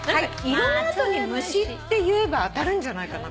色の後に「ムシ」って言えば当たるんじゃないかな。